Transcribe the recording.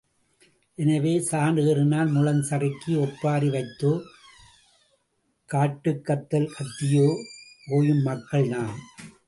எனவே சாண் ஏறினால் முழம் சறுக்கி ஒப்பாரி வைத்தோ காட்டுக் கத்தல் கத்தியோ, ஒயும் மக்கள் நாம்.